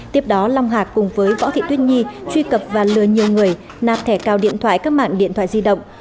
tiếp đó long hạc cùng với võ thị tuyết nhi truy cập và lừa nhiều người nạp thẻ cào điện thoại các mạng điện thoại di động